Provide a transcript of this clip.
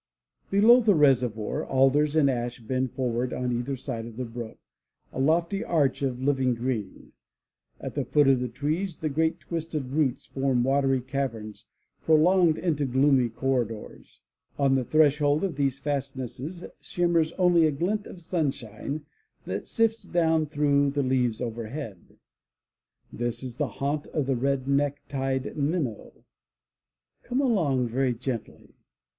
Below the reservoir, alders and ash bend forward on either side of the brook, a lofty arch of living green. At the foot of the trees the great twisted roots form watery caverns prolonged into gloomy corridors. On the threshold of these fastnesses shimmers only a glint of sunshine that sifts down through the leaves overhead. This is the haunt of the red necktied minnow. Come along very gently.